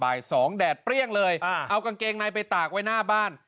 บ่ายสองแดดเปรี้ยงเลยเอากางเกงในไปตากไว้หน้าบ้าน